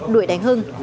đuổi đánh hưng